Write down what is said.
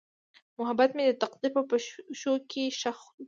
محبت مې د تقدیر په پښو کې ښخ شو.